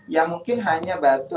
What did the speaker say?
yang mungkin hanya batu